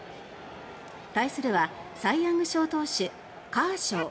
対するはサイヤング賞投手カーショー